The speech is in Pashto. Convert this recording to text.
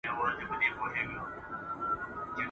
ځلېدونکي د بلوړ ټوټې لوېدلي !.